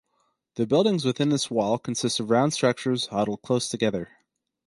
The buildings within this wall consist of round structures huddled close together.